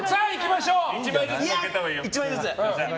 １枚ずつね。